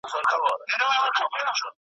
د زمري پر ټول وجود یې کړل وارونه .